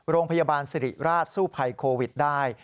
โรงพยาบาลสิริราชสู้ภัยโควิดได้